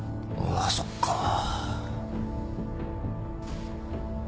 あっそっか。